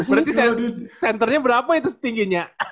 berarti centernya berapa itu setingginya